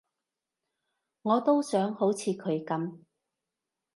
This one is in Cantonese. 我都想好似佢噉